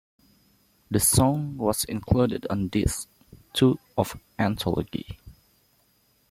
The song was included on disc two of "Anthology".